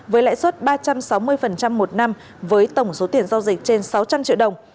với lãi suất ba trăm sáu mươi một năm với tổng số tiền giao dịch trên sáu trăm linh triệu đồng